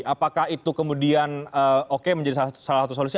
apakah itu kemudian oke menjadi salah satu solusi